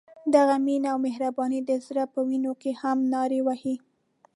دغه مینه او مهرباني د زړه په وینو کې هم نارې وهي.